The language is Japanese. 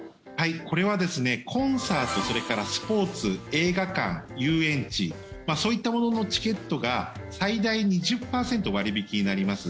これはコンサートそれからスポーツ映画館、遊園地そういったもののチケットが最大２０％割引になります。